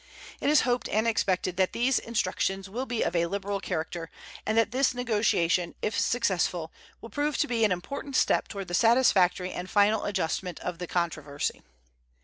It is hoped and expected that these instructions will be of a liberal character, and that this negotiation, if successful, will prove to be an important step toward the satisfactory and final adjustment of the controversy.